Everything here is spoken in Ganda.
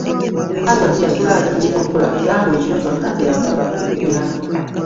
Mukazi wattu yasula ayiiya ekyokukola era mbu ekiro kyonna teyakomba ku mpeke ya tulo.